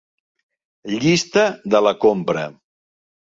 Llista de la compra.